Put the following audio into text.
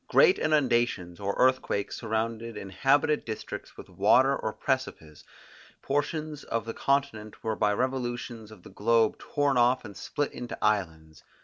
Great inundations or earthquakes surrounded inhabited districts with water or precipices, portions of the continent were by revolutions of the globe torn off and split into islands.